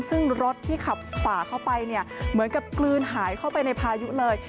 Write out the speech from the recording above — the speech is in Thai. ซึ่งรถที่ขับฝ่าเข้าไปเนี่ยเหมือนกับกลืนหายเข้าไปในพายุเลย